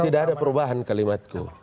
tidak ada perubahan kalimatku